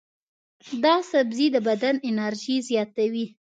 دا سبزی د بدن انرژي زیاتوي.